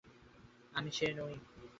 আমি সে নই।